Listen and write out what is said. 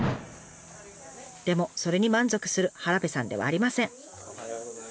でもそれに満足する原部さんではありません。